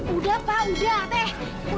udah pak udah teh